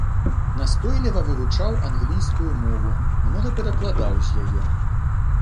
Настойліва вывучаў англійскую мову, многа перакладаў з яе.